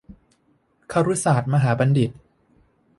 ครุศาสตร์มหาบัณฑิต